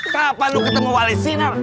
kapan lo ketemu wali sinar